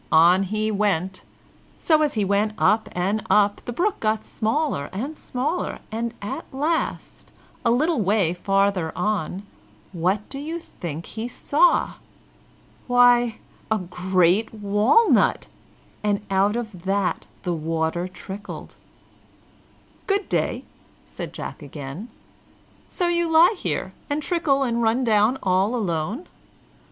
On he went. So, as he went up and up, the brook got smaller and smaller, and at last, a little way farther on, what do you think he saw? Why, a great walnut, and out of that the water trickled. "Good day!" said Jack again; "So you lie here, and trickle and run down all alone?"